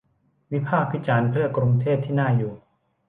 วิพากษ์วิจารณ์ เพื่อกรุงเทพที่น่าอยู่